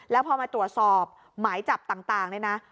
แล้วพอมาตรวจสอบหมายจับต่างเนี่ยนะ